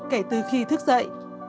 kể từ khi thức dậy